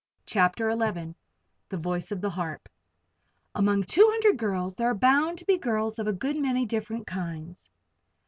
CHAPTER XI THE VOICE OF THE HARP "Among two hundred girls there are bound to be girls of a good many different kinds."